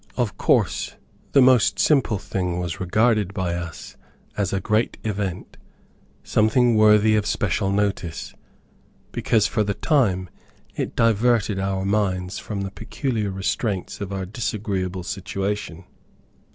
Of course the most simple thing was regarded by us as a great event, something worthy of special notice, because, for the time, it diverted our minds from the peculiar restraints of our disagreeable situation.